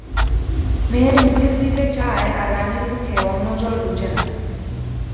মেয়ের মুখের দিকে চায়, আর রানীর মুখে অন্নজল রুচে না।